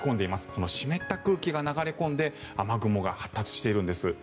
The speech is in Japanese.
この湿った空気が流れ込んで雨雲が発達しているんです。